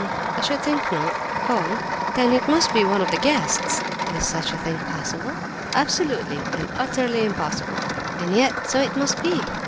"I should think not. Go on." "Then it must be one of the guests." "Is such a thing possible?" "Absolutely and utterly impossible—and yet, so it must be.